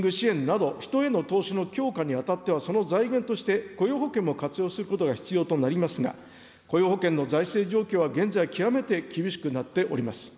また、リスキリング支援など、人への投資の強化にあたっては、その財源として、雇用保険も活用することが必要となりますが、雇用保険の財政状況は現在極めて厳しくなっております。